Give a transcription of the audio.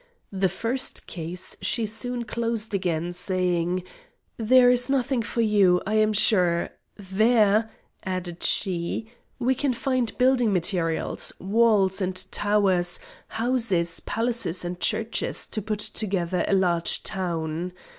The first case she soon closed again, saying: "There is nothing for you, I am sure, there," added she, "we can find building materials, walls, and towers, houses, palaces, and churches to put together a large town.